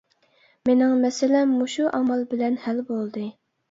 مېنىڭ مەسىلەم مۇشۇ ئامال بىلەن ھەل بولدى.